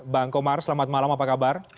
bang komar selamat malam apa kabar